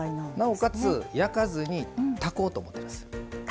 なおかつ、焼かずに炊こうと思っています。